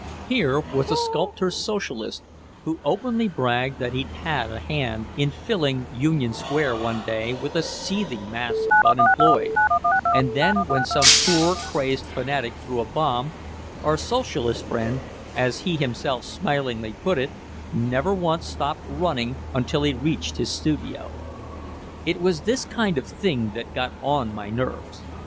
Here was a sculptor socialist who openly bragged that he'd had a hand in filling Union Square one day with a seething mass of unemployed, and then when some poor crazed fanatic threw a bomb, our socialist friend, as he himself smilingly put it, never once stopped running until he reached his studio. It was this kind of thing that got on my nerves.